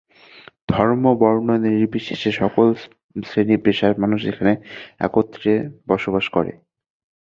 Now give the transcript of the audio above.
ধর্ম, বর্ণ নির্বিশেষে সকল শ্রেণী পেশার মানুষ এখানে একত্রে বসবাস করে।